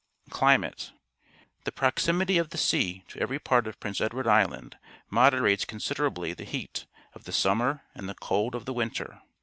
Climate. — The proximity of the sea to e^ery part of Prince Edward Island moder ates considera bly^th e heat, ot the sunmier and the c^d o f th e winter.